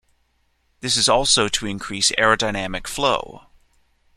This is also to increase aerodynamic flow.